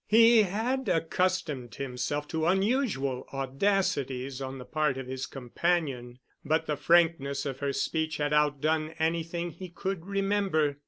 He had accustomed himself to unusual audacities on the part of his companion, but the frankness of her speech had outdone anything he could remember.